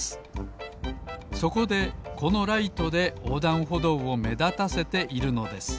そこでこのライトでおうだんほどうをめだたせているのです